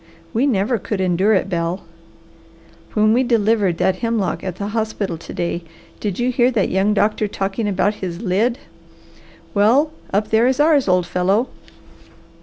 We never could endure it, Bel. "When we delivered that hemlock at the hospital to day, did you hear that young doctor talking about his 'lid'? Well up there is ours, old fellow!